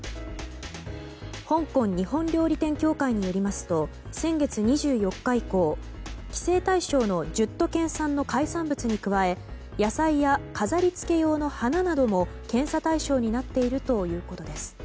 香港日本料理店協会によりますと先月２４日以降規制対象の１０都県産の海産物に加え野菜や飾り付け用の花なども検査対象になっているということです。